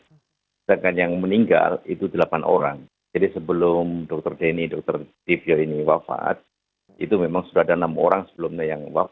sedangkan yang meninggal itu delapan orang jadi sebelum dr denny dr dibyo ini wafat itu memang sudah ada enam orang sebelumnya yang wafat